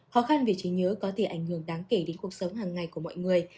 khó khăn về trí nhớ có thể ảnh hưởng đáng kể đến cuộc sống hàng ngày của mọi người